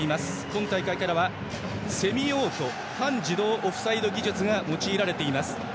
今大会からはセミオート半自動オフサイド技術が用いられています。